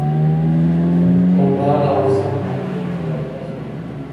کندهار د افغانستان د ځانګړي ډول جغرافیه استازیتوب کوي.